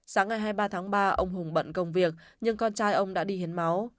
sáng ngày hai mươi ba tháng ba ông hùng bận công việc nhưng con trai ông đã đi hiến máu